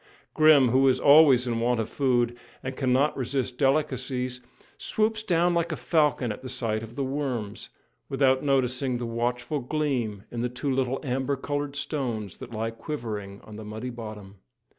Grim, who is always in want of food and cannot resist delicacies, swoops down like a falcon at sight of the "worms," without noticing the watchful gleam in the two little amber coloured stones that lie quivering on the muddy bottom.